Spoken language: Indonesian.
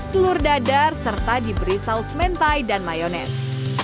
telur dadar serta diberi saus mentai dan mayonese